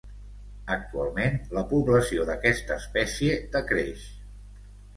Actualment, la població d'aquesta espècie decreix.